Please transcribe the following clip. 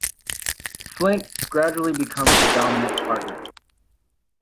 Flint gradually becomes the dominant partner.